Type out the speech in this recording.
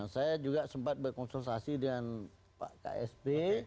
saya juga sempat berkonsultasi dengan pak ksp